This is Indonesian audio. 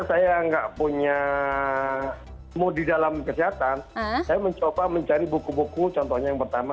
saya nggak punya mau di dalam kesehatan saya mencoba mencari buku buku contohnya yang pertama